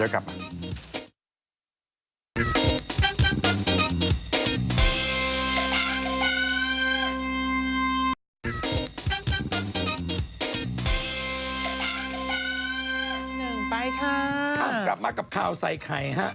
กลับมากับข่าวใส่ไข่ฮะ